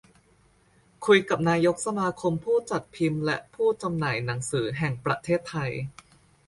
คุยกับนายกสมาคมผู้จัดพิมพ์และผู้จำหน่ายหนังสือแห่งประเทศไทย